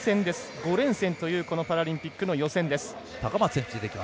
５連戦というこのパラリンピックの予選です。